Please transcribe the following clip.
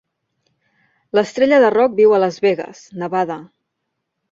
L'estrella de rock viu a Las Vegas, Nevada.